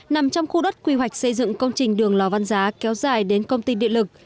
nằm trong khu đất quy hoạch xây dựng công trình đường lò văn giá kéo dài đến công ty điện lực